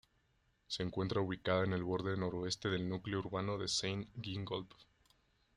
Se encuentra ubicada en el borde noroeste del núcleo urbano de Saint-Gingolph.